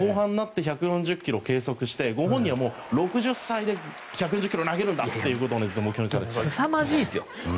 ６０歳手前で１４０ｋｍを記録してご本人は６０歳で１４０ｋｍを投げるんだということをすさまじいですよ。